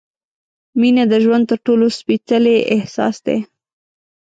مینه د ژوند تر ټولو سپېڅلی احساس دی.